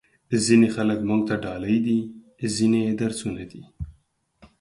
ځینې خلک موږ ته ډالۍ دي، ځینې درسونه دي.